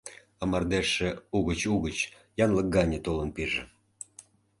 А мардежше угыч-угыч янлык гане толын пиже.